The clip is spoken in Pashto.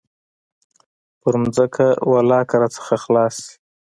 پر ځمکه ولله که رانه خلاص سي.